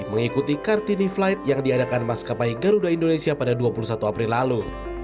mengikuti kartini flight yang diadakan maskapai garuda indonesia pada dua puluh satu april lalu